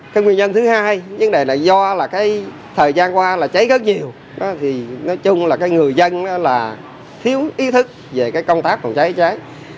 cái nguyên nhân thứ hai vấn đề là do là cái thời gian qua là cháy rất nhiều thì nói chung là cái người dân là thiếu ý thức về cái công tác phòng cháy cháy